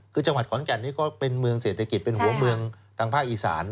คือจังหวัดขอนแก่นนี้ก็เป็นเมืองเศรษฐกิจเป็นหัวเมืองทางภาคอีสาน